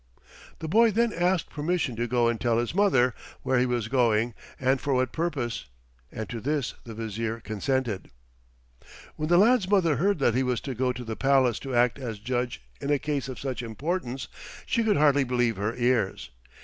The boy then asked permission to go and tell his mother where he was going and for what purpose, and to this the Vizier consented. When the lad's mother heard that he was to go to the palace to act as judge in a case of such importance she could hardly believe her ears.